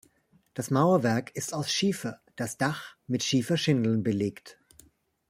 Das Mauerwerk ist aus Schiefer, das Dach mit Schieferschindeln belegt.